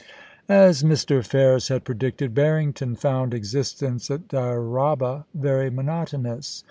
As Mr. Ferris had predicted, Barrington found existence at Dyraaba very monotonous.